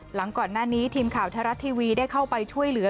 หลังก่อนหน้านี้ทีมข่าวไทยรัฐทีวีได้เข้าไปช่วยเหลือ